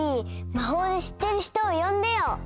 まほうでしってる人をよんでよ！